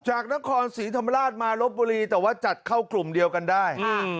จากนครศรีธรรมราชมาลบบุรีแต่ว่าจัดเข้ากลุ่มเดียวกันได้